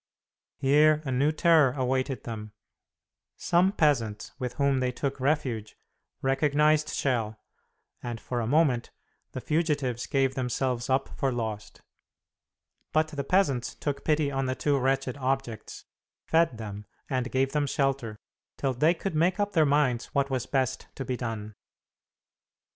Here a new terror awaited them. Some peasants with whom they took refuge recognized Schell, and for a moment the fugitives gave themselves up for lost. But the peasants took pity on the two wretched objects, fed them and gave them shelter, till they could make up their minds what was best to be done.